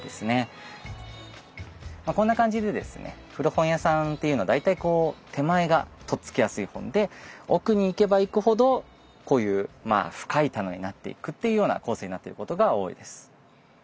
こんな感じで古本屋さんっていうのは大体手前がとっつきやすい本で奥に行けば行くほどこういう深い棚になっていくっていうような構成になってることが多いです。